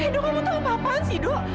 do kamu tuh apa apaan sih do